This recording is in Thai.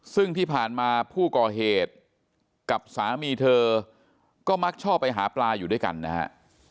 ซึ่งที่ผ่านมาผู้ก่อเหตุกับสามีเธอก็มักชอบไปหาปลาอยู่ด้วยกันนะฮะ